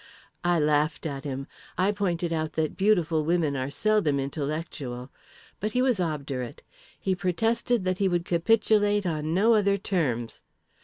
I laughed at him. I pointed out that beautiful women are seldom intellectual. But he was obdurate. He protested that he would capitulate on no other terms.